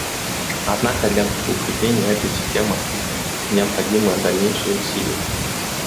Однако для укрепления этой системы необходимы дальнейшие усилия.